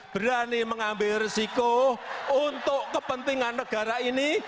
berani mengambil resiko untuk kepentingan negara ini